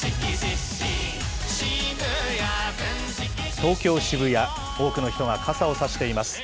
東京・渋谷、多くの人が傘を差しています。